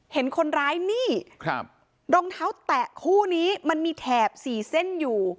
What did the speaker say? เห็นคนร้ายนี่ครับรองเท้าแตะคู่นี้มันมีแถบสี่เส้นอยู่